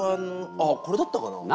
あっこれだったかな？